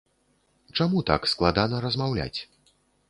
Чаму так складана размаўляць?